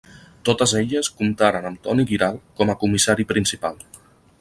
Totes elles comptaren amb Toni Guiral com a comissari principal.